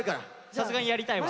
さすがにやりたいわ。